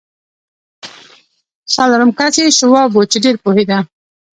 څلورم کس یې شواب و چې ډېر پوهېده